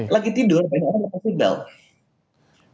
lagi tidur banyak yang tidur